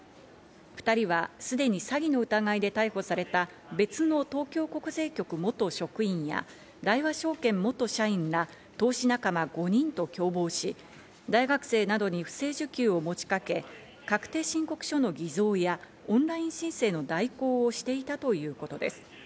２人はすでに詐欺の疑いで逮捕された別の東京国税局元職員や大和証券元社員ら投資仲間５人と共謀し、大学生などに不正受給を持ちかけ、確定申告書の偽造や、オンライン申請の代行をしていたということです。